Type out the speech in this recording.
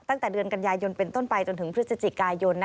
ตั้งแต่เดือนกันยายนเป็นต้นไปจนถึงพฤศจิกายน